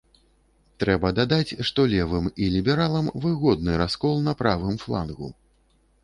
Трэба дадаць, што левым і лібералам выгодны раскол на правым флангу.